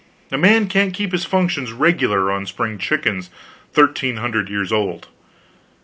a man can't keep his functions regular on spring chickens thirteen hundred years old.